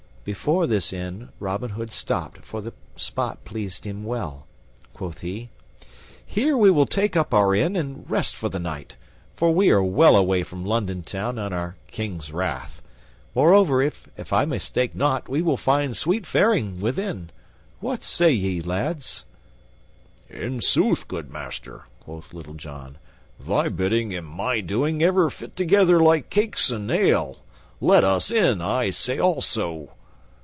Before this inn Robin Hood stopped, for the spot pleased him well. Quoth he, "Here will we take up our inn and rest for the night, for we are well away from London Town and our King's wrath. Moreover, if I mistake not, we will find sweet faring within. What say ye, lads?" "In sooth, good master," quoth Little John, "thy bidding and my doing ever fit together like cakes and ale. Let us in, I say also."